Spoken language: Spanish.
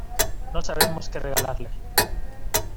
No sabemos qué regalarle.